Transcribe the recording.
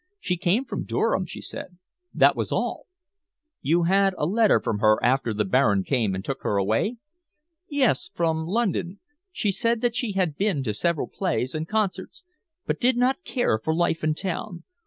She came from Durham, she said that was all." "You had a letter from her after the Baron came and took her away?" "Yes, from London. She said that she had been to several plays and concerts, but did not care for life in town.